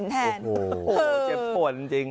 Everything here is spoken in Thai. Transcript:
เจ็บปวดจริง